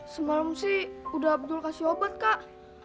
semalam sih udah betul kasih obat kak